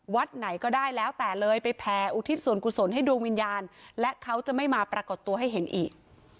ไหนก็ได้แล้วแต่เลยไปแผ่อุทิศส่วนกุศลให้ดวงวิญญาณและเขาจะไม่มาปรากฏตัวให้เห็นอีก